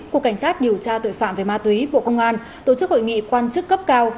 cục cảnh sát điều tra tội phạm về ma túy bộ công an tổ chức hội nghị quan chức cấp cao